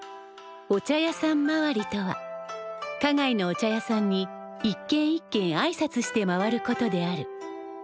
お茶屋さん回りとは花街のお茶屋さんに一軒一軒挨拶して回ることである。